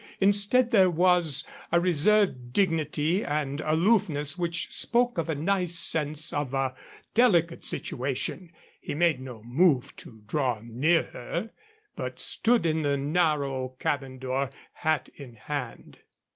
Instead, there was a reserved dignity and aloofness which spoke of a nice sense of a delicate situation. He made no move to draw near her, but stood in the narrow cabin door, hat in hand.